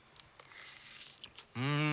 うん！